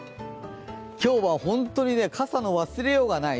今日は本当に傘の忘れようがない。